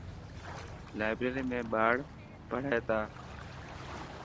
لائبريري ۾ ٻاڙ پڙهي تا.